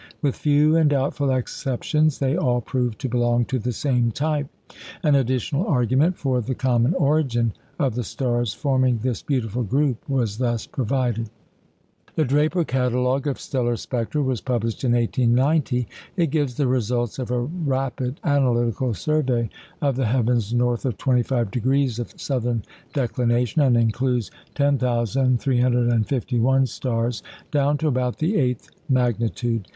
With few and doubtful exceptions, they all proved to belong to the same type. An additional argument for the common origin of the stars forming this beautiful group was thus provided. The "Draper Catalogue" of stellar spectra was published in 1890. It gives the results of a rapid analytical survey of the heavens north of 25° of southern declination, and includes 10,351 stars, down to about the eighth magnitude.